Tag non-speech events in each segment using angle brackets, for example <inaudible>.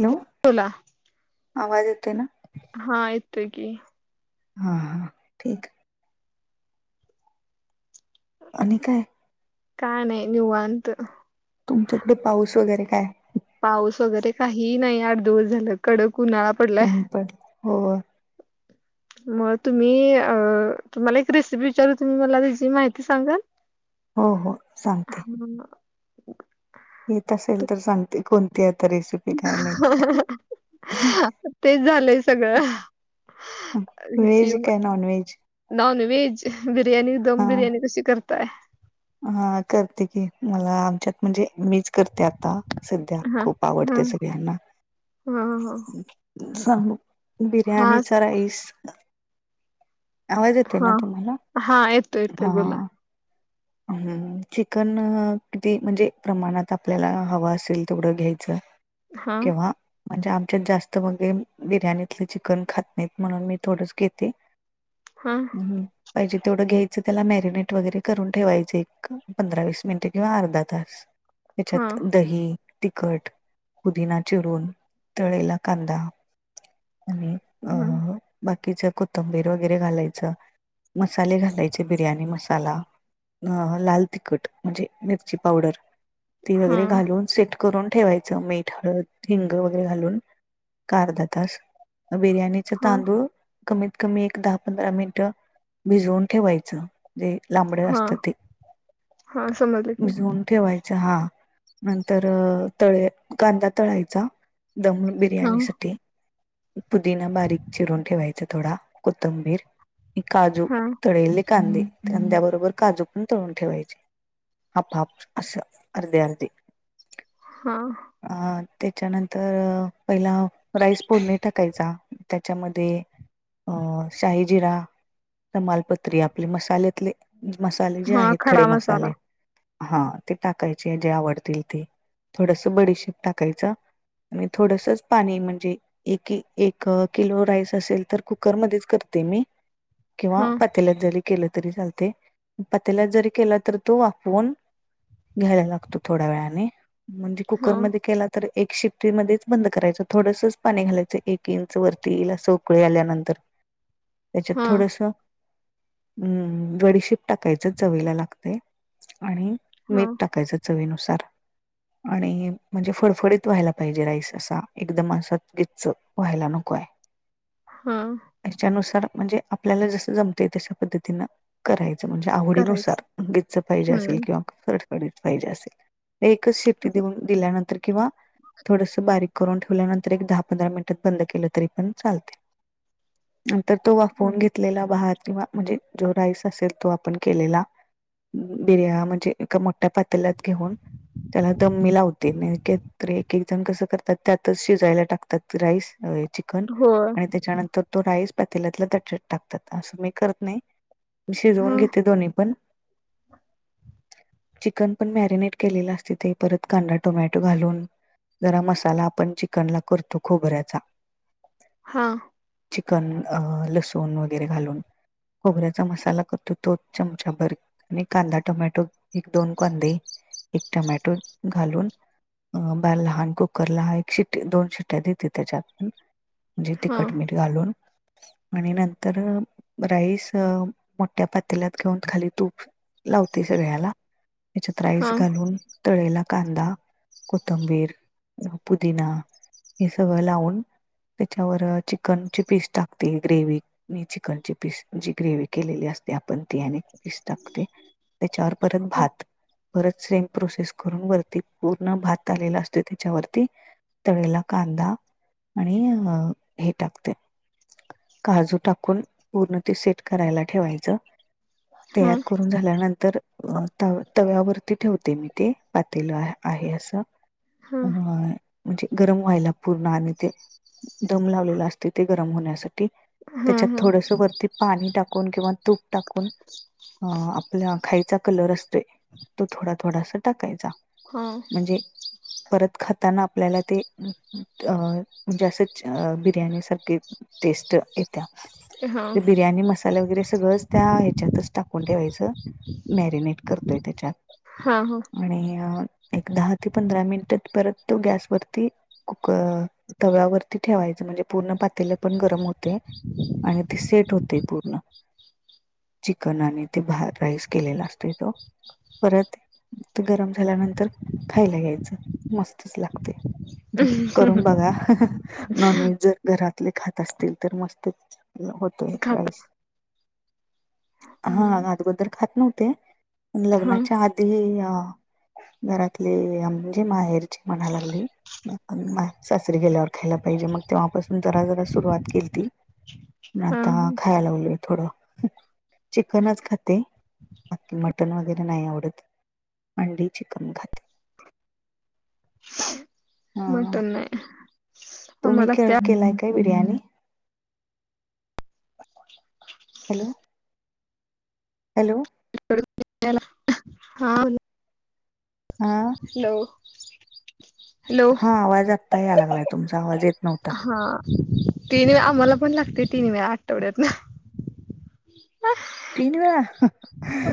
Hello बोला आवाज येतोय ना? हा येतोय की हा हा ठीक हाय. आणि काय? काय नाही निवांत? तुमच्याकडे पाऊस वगैरे काय? पाऊस वगैरे काहीही नाही आठ दिवस झालं कडक उन्हाळा. पडलाय उन पडल होय. मग तुम्ही अ तुम्हाला एक रेसिपी विचारू, तुम्ही मला त्याची माहिती सांगाल? हो हो सांगते. हा. येत असेल तर सांगते कोणती हाय आता रेसिपी? काय माहिती <unintelligible> तेच झालंय सगळं हेची व्हेज काय non veg non veg biryani दम हा बिर्याणी कशी करताय? हा करते की, मला आमच्यात म्हणजे मीच करते आता. सध्या हा खूप हा आवडते सगळ्यांना हा ह सांगू हा बिर्याणीचा राईस आवाज येतोय ना हा तुम्हाला हा येतोय येतोय बोला. हम चिकन किती म्हणजे? प्रमाणात आपल्याला हव असेल तेवढं घ्यायचं. हा केव्हा. म्हणजे आमच्यात जास्त बगे बिर्याणीतले, चिकन खात नाहीत म्हणून मी थोडंच घेते. <inaudible> हा हा. पाहिजे तेवढं घ्यायचं, त्याला मॅरिनेट वगैरे करून ठेवायचे एक पंधरा वीस मिनटे किंवा अर्धा तास हा तेच्यात. दही, तिखट, पुदीना चिरून तळलेला कांदा. आणि हा अ बाकीच कोथंबीर वगैरे घालायचं. मसाले घालायचे. बिर्याणी मसाला. अ लाल तिखट म्हणजे मिरची पावडर ती वगैरे हा घालून सेट करून ठेवायचं मीठ, हळद, हिंग वगैरे घालून. ऐक अर्धा तास बिर्याणी हा तांदूळ कमीत कमी एक दहा पंधरा मिनट भिजवून ठेवायचं. जे लांबड हा असतात ते हा समजलं की भिजून ठेवाय चहा हा नंतर तळे कांदा तळायचा दमुन. हा बिर्याणी साठी पुदीना बारीक चिरून ठेवायचा थोडा कोथंबीर. म काजू हा तळले कांदे कांद्याबरोबर काजू पण तळून ठेवायचे. हाफ हाफ असं अर्धे अर्धे. हा अ त्याच्यानंतर पहिला राईस फोडणी टाक टकायचा त्याच्यामध्ये अ शाही जिरा तमालपत्री आपले मसाल्यातले मसाले जे हा आहेत खडे खडा मसाला मसाले. हा ते टाकायचे जे आवडतील ते थोडस बडीशेप टाकायचा. आणि थोडसच पाणी म्हणजे एक एक किलो राईस असेल तर कुकरमध्येच करते मी. किंवा हा पात्याल्यात जरी केलं तरी चालते. पातेलात जरी केला तर तो वाफवुन घ्यायला लागतो थोड्या वेळाने. म्हणजे हा कुकरमध्ये केला तर एक शिप्टीमध्येच बंद करायचं थोडसं पाणी घालायचं एक इंच वरती येयील उकळी आल्यानंतर. त्याच्यात हा थोडस अम्म बडीशेप. टाकायचं चवीला लागते. आणि हा मीठ टाकायचं चवीनुसार. आणि म्हणजे फडफडीत व्हायला पाहिजे राईस असा. एकदम असा गीच्च व्हायला नकोय. हा <inaudible> ह्याच्यानुसार म्हणजे आपल्याला जस जमतय तशा पद्धतीनं करायचं. म्हणजे आवडीनुसार करायचं गिच्च पाहिजे असेल. हम्म किंवा फडफडीत पाहिजे असेल. एकच शेफ्टी असं. देऊन दिल्यानंतर किंवा. थोडस बारीक करून ठेवल्यानंतर एक दहा पंधरा मिनिटात बंद केलं तरी पण चालतय. नंतर तो वाफवुन हम्म. घेतलेला भात किंवा म्हणजे जो राईस असेल. तो आपण केलेला बिर्या म्हणजे एका मोठ्या पातलात घेऊन त्याला दम मी लावते. एक एक जण कसं करतात त्यातच शिजायला टाकतात राईस. होय आणि त्याच्यानंतर तो राईस पातेलात ताटात टाकतात. असं मी करत नाही. मी शिजवून हा घेते दोन्ही पण. चिकन पण मॅरिनेट केलेलं असते ते परत कांदा टोमॅटो घालून. गरम मसाला आपण चिकन ला करतो खोबऱ्याचा. हा चिकन लसूण वगैरे घालून खोबऱ्याचा मसाला कर त तो चमचा भर आणि कांदा टोमॅटो एक दोन कांदे एक टोमॅटो घालून अ बॅल लहान कुकरला ह एक शिट्टी दोन शिट्टया देते त्याच्यात. म्हणजे हा तिखट मीठ घालून आणि नंतर राईस त्या पातेलात घेऊन खाली तूप लावते सगळ्याला. त्याच्यात हा राईस घालून तळलेला कांदा, कोथंबीर, पुदिना हे सगळं लावून त्याच्यावर चिकनची पीस टाकते ग्रेव्ही. मी चिकनचे पीस. म्हणजे ग्रेव्ही केलेली असते. आपण तेने पीस टाकते. त्याच्यावर परत हा भात. परत सेम प्रोसेस करून वरती पूर्ण भात आलेला असतोय त्याच्यावरती. तळलेला कांदा आणि अ हे टाकते. काजू टाकून पूर्ण ते सेट करायला ठेवायचं. हा तयार करून झाल्यानंतर. अ त तव्यावरती ठेवते मी ते पातेल आहे आहे असं. हा अ म्हणजे गरम व्हायला पूर्ण आणि ते दम लावलेला असते ते. होण्या हा त्याच्यात थोडस वरती पाणी टाकून किंवा तूप टाकून. अ आपला खाईचा कलर असतोय तो थोडा थोडासा टाकायचा. हा. म्हणजे. परत खाताना आपल्याला ते अज असच बिर्याणी सारखे. टेस्ट येत्या हा हा बिर्याणी मसा वगैरे हच्यात टाून ठेवा म करतय त्याच्यात. हा आणि एक दहा ते पंधरा मिनिटात परत तो गॅसवररती. कुकर तव्यावरती ठेवायच म्हणजे पूर्ण पातेलं पण गरम होत. आणि ते सेट होते पूर्ण. चिकन आणि ते भ राईस केलेला असत तो. परत ते गरम झाल्यानंतर खायला घ्यायचं मस्तच लागतय. करून बघा नॉन व्हेज जर घरातले खात असतील तर मस्त होतय खाता राईस. हा हम्म. आदगोदर खात नव्हते पण हा लग्नाच्या आधी अ घरातली म्हणजे माहेरची म्हणाय लागली सासरी गेल्यावर खायला पा पाहिजे मग तेव्हापासून जरा जरा सुरुवात केलीती पण हा आता खायलागलोय. थोड चिकनच खाते बाकी मट मटन वगैरे नाही आवडत अंडी चिकन खाते. हा मटन नाय. तुम्ही खे केलाय काय बिर्याणी. Hello hello. <inaudible> हा हा. हॅलो. हॅलो हा आवाज आत्ता या लागलाय तुमचा आवाज येत नव्हता. हा तीन वेळा आम्हाला पण लागतय तीन वेळा आठवड्यात न. तीन वेळा ह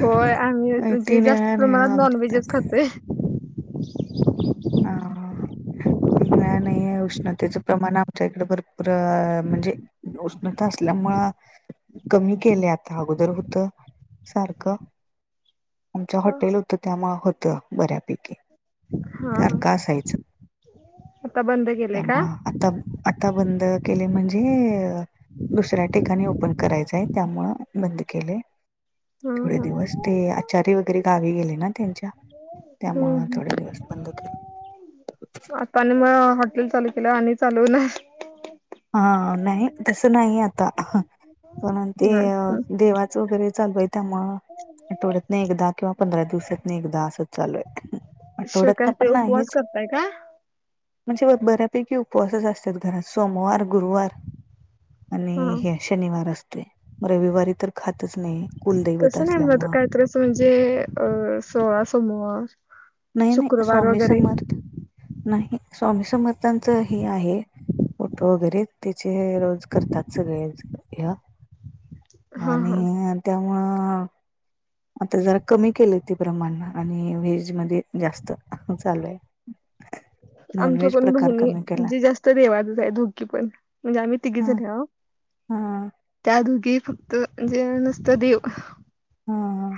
होय आम्ही म्हणजे जास्त नाही प्रमाणात नॉनव्हेजच आमच्यात खातोय. हा. तीन वेळा नाही उष्णतेचं प्रमाण आमच्या इकडे भरपूर म्हणजे. उष्णता आल्यामुळं कमी केले आता अगोदर होत सारखं. आमचा हा हॉटेल होतं त्यामुळे होतं बऱ्यापैकी. हा त्यारखं असायचं आता बंद केले त्या का मा आता आता बंद केले म्हणजे दुसऱ्या ठिकाणी ओपन करायचं आहे त्यामुळं बंद केलंय. थोडे ह दिवस ते आचार्य वगैरे गावी गेले ना त्यांच्या त्यामुळ ह थोडे दिवस. बंद कर आता आणि मग हॉटेल चालू केल्यावर आणि चालूून होणार. हा नाही तसं नाही आता ह पण ते नाही देवाच वगैरे चालूय त्या त्यामुळं आठवड्यातन एकदा किंवा पंधरा दिवसातन एकदा असच चालू आहे ते. शे काय ते उपवास करताय काय. म्हणजे बऱ्यापैकी उपवासच असत्यात घरात सोमवार गुरुवार हा आणि हे शनिवार असतोय रविवारी तर खातच नाही. कुलदैवत तसं नाही मग असल्यामुळं काय तर असं म्हणजे अ सोळा सोमवार नाही नाही शुक्रवार स्वामी वगैरे समर्थ नाही स्वामी समर्थांचं हे आहे. फटो वगैरे तिचे रोज करतात सगळेच ह्या हा आणि हा त्यामुळं आता जरा कमी केलं ते प्रमाण आणि व्हेज मध्ये जास्त चालू आहे. <unintelligible> आमच्या नॉनव्हेज पण प्रकार कमी बहिणी केला जे जास्त देवातच हाय दोघी पण म्हणजे आम्ही तिघी हा जनी आहो. हा त्या दोघी फक्त म्हणजे अ नुसतं देव. हा हा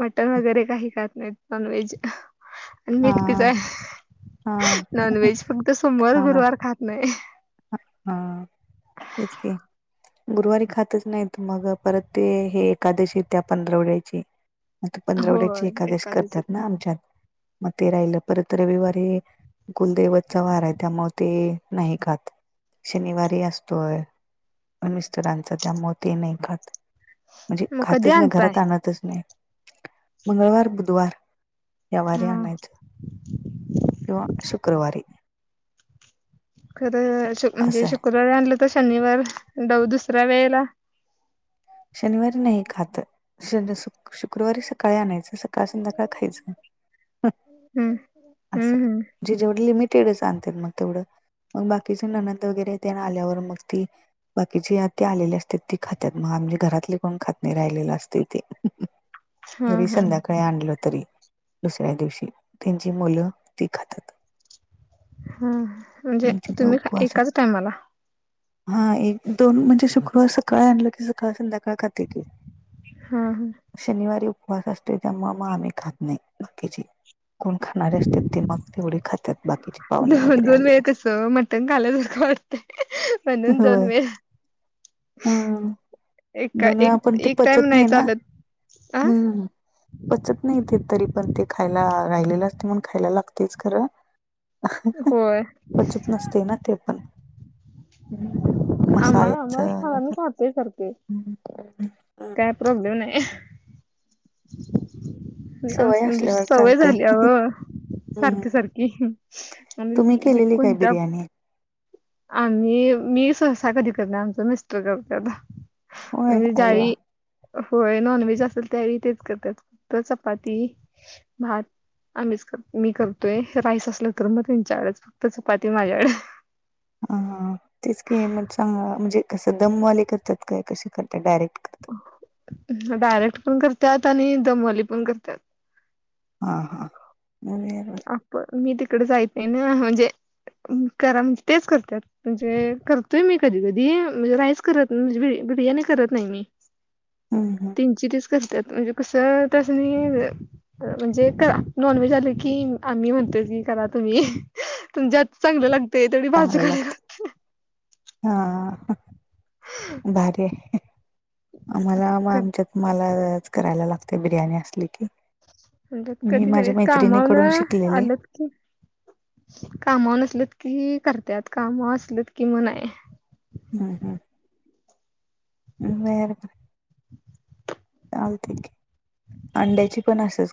मटन वगैरे काही खात नाहीत नॉन व्हेज आणि मी हा एकटीच हा आहे नॉनव्हेज फक्त सोमवार, गुरुवार खात नाही. अ आ तेच की गुरुवारी खातच नाहीत मग परत ते हे एकादशी त्या पंधरावड्याची मग ते पंधरावड्याची एकादशी करतात ना आमच्यात मग ते राहिलं परत रविवारी कुलदैवतचा वार आहे त्यामुळं ते नाही खात. शनिवारी असतोय मिस्टरांचा त्यामुळं ते नाही खात. म्हणजे मग कधी खातच नाही आणताय घरात आणतच नाही मंगळवार, बुधवार या वारी हा आणायच किंवा शुक्रवारी. खरं शु म्हणजे असं आहे शुक्रवार आणलं तर शनिवार डऊ दुसऱ्या वेळेला शनिवारी नाही खात स सु शुक्रवारी सकाळी आणायचं. सकाळ संध्याकाळ खायचं ह हम्म अस हम्म हम्म जे जेवढे लिमिटेडच आणतय मग तेवढं मग बाकीची ननंद वगैरे तेन आल्यावर मग ती बाकीजी आलेली असतात ती खातात मग आम घरातले कोण खात नाही राहिलेलं असतंय ते हा तरी हा संध्या काय आणलं तरी दुसऱ्या दिवशी त्यांची मुलं ती खातात. हा म्हणजे ते तुम्ही उपवास एकाच टायमाला. हा एक दोन म्हणजे शुक्रवार सकाळी आणलं की सकाळ, संध्याकाळ खाते की हां हां शनिवारी उपवास असतोय त्यामुळ म आम्ही खात नाही बाकीची. कोण खाणारे असत्यात ते मग तेवढे खातात बाकीचे पाहुणे वगैरे आले ते कसं मटण खाल्ल्यासारखं वाट म्हणून दोन वेळ हं एका दोन एक वेळा पण ते एक टाइम पचत नाही ना चालत आ हं पचत नाही ते तरी पण ते खायला राहिलेलं असतय म्हणून खायला लागतय खरं होय पचत नसतंय ना ते पण आम्हा <unintelligible> आम्ही खातोय सारखे <unintelligible> काय प्रॉब्लेम नाही. सवय आमचं म्हणजे असल्यावर सवय चालते. झाल्या व सारखी हम्म. सारखी आणि तुम्ही जी केलेली काय कोणत्या बिर्याणी आम्ही मी सहसा कधी करत नाही आमच मिस्टर करतात. होय म्हणजे अरे वा जाइ होय नॉनव्हेज असेल त्यावेळी तेच करत्यात फक्त चपाती, भात आम्हीच कर मी करतोय राईस असला तर मग त्यांच्याकडचं फक्त चपाती माझ्याकड हां हां तेच की, म चां म्हणजे कसं दमवाले करतात काय कसे करतात डायरेक्ट करतात. डायरेक्ट पण करत्यात आणि दमवाली पण करत्यात. हा हा <unintelligible> आपण मी तिकडे जायते आहे ना म्हणजे करा म्हणजे तेच करत्यात. म्हणजे करतोय मी कधी कधी म्हणजे राईस करत नाही म्हणजे बिर्याणी करत नाही मी हं हं डिस्कस करत्यात म्हणजे कसं त्यास्नी गं म्हणजे का नॉनव्हेज आलं की की आम्ही म्हणतो की करा तुम्ही तुमच्या हातचं चांगलं लागतं. ते थोडी बाजू काढायला लागतीय <unintelligible> हां हां भारी आहे. आम्हाला म आमच्यात मला लाचं करायलाचं लागते. बिर्याणी असली की म्हणजे मी कधी कधी माझ्या कामा ला मैत्रिणीकडून शिकलेले. आलं की कामावर नसलत की करत्यात, काम असलत कि म नाही. <unintelligible> चालतय की अंड्याची पण असच